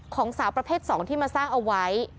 สาวประเภท๒ที่มาสร้างเอาไว้